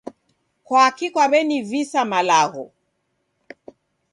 Kwaki kwaw'enivisa malagho?